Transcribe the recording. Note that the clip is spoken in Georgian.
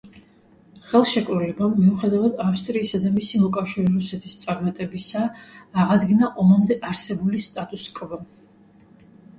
ხელშეკრულებამ მიუხედავად ავსტრიისა და მისი მოკავშირე რუსეთის წარმატებისა აღადგინა ომამდე არსებული სტატუს-კვო.